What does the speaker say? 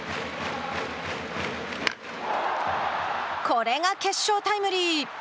これが決勝タイムリー。